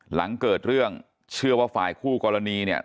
หลังเกิดเรื่องเชื่อว่าฝ่ายคู่กรณีเนี่ย